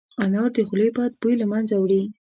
انار د خولې بد بوی له منځه وړي.